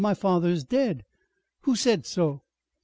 My father is dead!" "Who said so?"